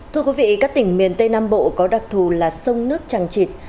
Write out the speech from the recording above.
thưa quý vị các tỉnh miền tây nam bộ có đặc thù là sông nước tràng trịt